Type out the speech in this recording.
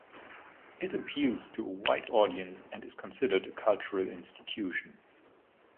It appeals to a wide audience and is considered a cultural institution.